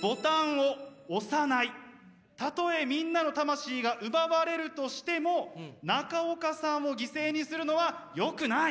たとえみんなの魂が奪われるとしても中岡さんを犠牲にするのはよくない。